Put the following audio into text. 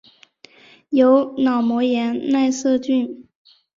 由脑膜炎奈瑟菌。